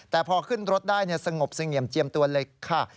แต่พอขึ้นรถได้สงบเสงี่ยมเจียมตัวเลยค่ะ